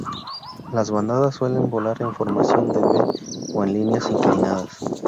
Las bandadas suelen volar en formación de V, o en líneas inclinadas.